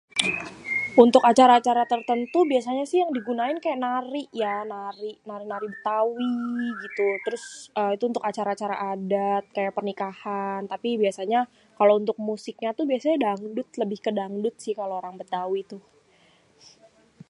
untuk acara-acara tertentu biasanya si yang digunain yé kaya nari ya, nari-nari betawi gitu, terus ééé itu untuk acara-acara adat kaya pernikahan tapi biasanya kalo untuk musiknya tuh biasanya dangdut lebih kedangdut sih kalo orang betawi tuh.